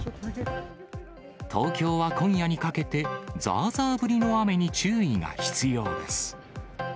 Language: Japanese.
東京は今夜にかけて、ざーざー降りの雨に注意が必要です。